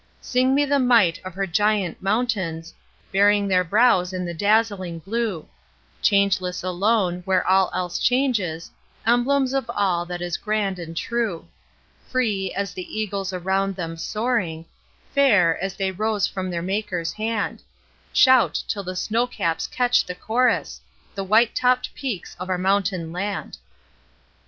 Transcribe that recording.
Sing me the might of her giant mountains, Baring their brows in the dazzling blue; Changeless alone, where all else changes, Emblems of all that is grand and true: Free, as the eagles around them soaring; Fair, as they rose from their Maker's hand: Shout, till the snow caps catch the chorus The white topp'd peaks of our mountain land.